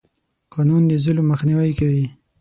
قانون د ظلم مخنیوی کوي.